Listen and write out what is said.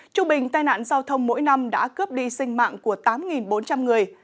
trung bình tai nạn giao thông mỗi năm đã cướp đi sinh mạng của tám bốn trăm linh người